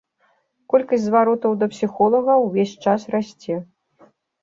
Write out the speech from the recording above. Колькасць зваротаў да псіхолага ўвесь час расце.